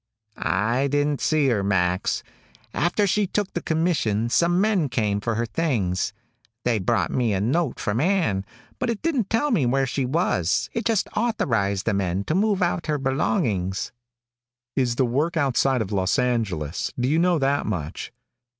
"I didn't see her, Max. After she took the commission some men came for her things. They brought me a note from Ann, but it didn't tell me where she was. It just authorized the men to move out her belongings." "Is the work outside of Los Angeles? Do you know that much?"